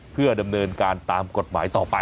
เพื่อดำเนินการตามกฎหมายต่อไป